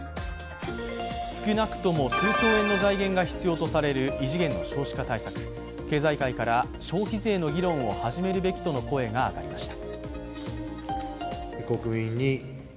少なくとも数兆円の財源が必要とされる異次元の少子化対策、経済界から消費税の議論を始めるべきとの声が上がりました。